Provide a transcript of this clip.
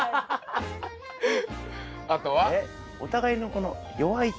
あとは？